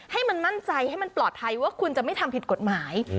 ให้มันมั่นใจให้มันปลอดภัยว่าคุณจะไม่ทำผิดกฎหมาย